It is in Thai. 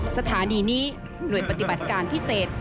สถานีนี้หน่วยปฏิบัติการพิเศษ